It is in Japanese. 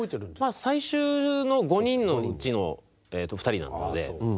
最終の５人のうちの２人なので。